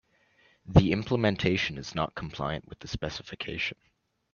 The implementation is not compliant with the specification.